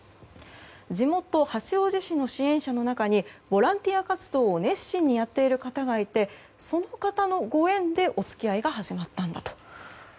地元・八王子市の支援者の中にボランティア活動を熱心にやっている方がいてその方のご縁でお付き合いが始まったんだと。